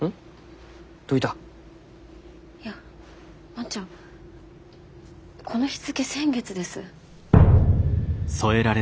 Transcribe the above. いや万ちゃんこの日付先月です。